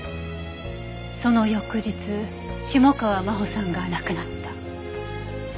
その翌日下川真帆さんが亡くなった。